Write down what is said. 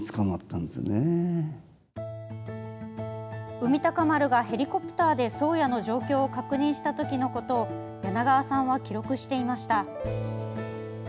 「海鷹丸」がヘリコプターで「宗谷」の状況を確認したときのことを柳川さんは記録していました。